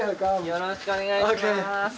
よろしくお願いします。